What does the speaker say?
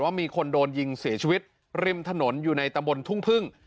มีคนโดนยิงเสียชีวิตริมถนนอยู่ในตำบลทุ่งพึ่ง